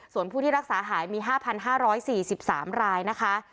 ส่วนผู้ที่รักษาหายมีห้าพันห้าร้อยสี่สิบสามรายนะคะ